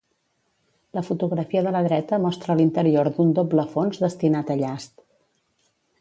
La fotografia de la dreta mostra l'interior d'un doble fons destinat a llast.